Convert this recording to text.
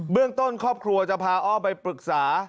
เรื่องต้นครอบครัวจะพาอ้อมไปปรึกษา